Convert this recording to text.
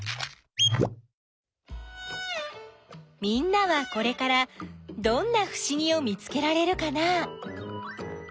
みんなはこれからどんなふしぎを見つけられるかな？